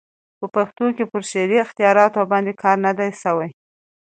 په پښتو کښي پر شعري اختیاراتو باندي کار نه دئ سوى.